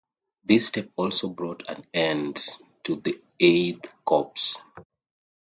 This step also brought an end to the Eighth Corps.